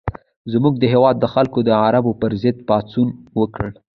زموږ د هېواد خلکو د عربو پر ضد پاڅون وکړ.